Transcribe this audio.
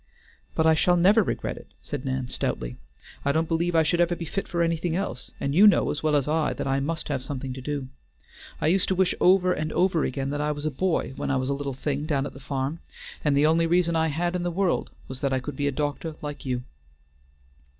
"But I shall never regret it," said Nan stoutly. "I don't believe I should ever be fit for anything else, and you know as well as I that I must have something to do. I used to wish over and over again that I was a boy, when I was a little thing down at the farm, and the only reason I had in the world was that I could be a doctor, like you."